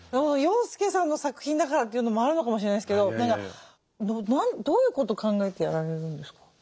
洋輔さんの作品だからというのもあるのかもしれないですけどどういうこと考えてやられるんですか？